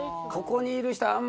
ここにいる人